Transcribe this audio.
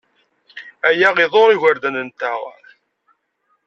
Aya iḍurr igerdan-nteɣ.